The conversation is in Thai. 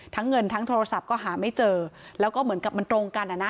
เงินทั้งโทรศัพท์ก็หาไม่เจอแล้วก็เหมือนกับมันตรงกันอ่ะนะ